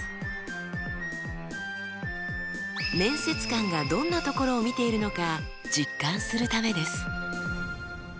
面接官がどんなところを見ているのか実感するためです。